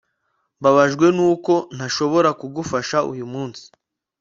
Mbabajwe nuko ntashobora kugufasha uyu munsi